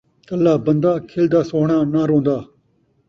کلھا بن٘دہ کھلدا سوہݨاں ناں رون٘دا